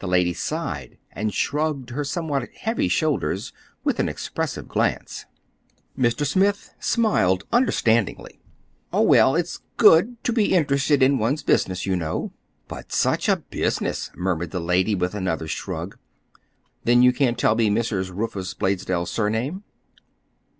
The lady sighed and shrugged her somewhat heavy shoulders with an expressive glance. Mr. Smith smiled understandingly. "Oh, well, it's good—to be interested in one's business, you know." "But such a business!" murmured the lady, with another shrug. "Then you can't tell me Mrs. Rufus Blaisdell's surname?"